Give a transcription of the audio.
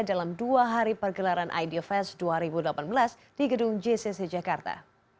dalam dua hari pergelaran ide fest dua ribu delapan belas di gedung jcc jakarta